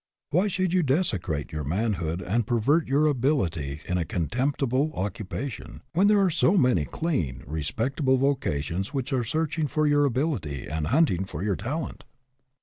Why should you desecrate your manhood and pervert your ability in a contemptible occupation, when there are so many clean, respectable vocations which are searching for your ability and hunting for your talent